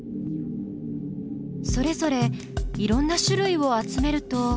それぞれいろんな種類を集めると。